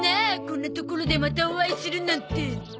こんな所でまたお会いするなんて。